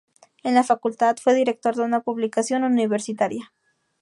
En la Facultad, fue director de una publicación universitaria.